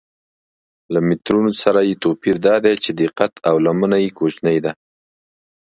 له مترونو سره یې توپیر دا دی چې دقت او لمنه یې کوچنۍ ده.